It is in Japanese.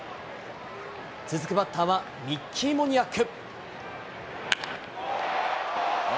続くバッターはミッキー・モニアック。